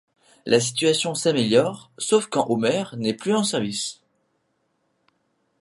La situation s'améliore, sauf quand Homer n'est plus en service.